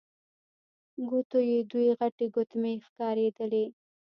ګوتو يې دوې غټې ګوتمۍ ښکارېدلې.